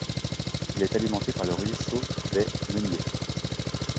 Il est alimenté par le ruisseau des Meuniers.